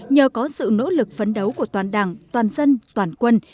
nhờ có sự nỗ lực phấn đấu của toàn đảng toàn dân toàn quân